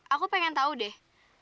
aku pengen tau deh